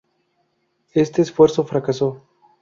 Este esfuerzo fracasó.